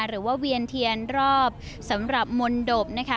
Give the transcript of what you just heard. หรือว่าเวียนเทียนรอบสำหรับมณฑบนะคะ